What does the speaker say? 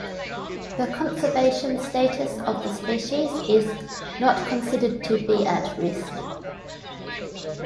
The conservation status of the species is "not considered to be at risk".